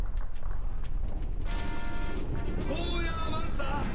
ゴーヤーマンさぁ！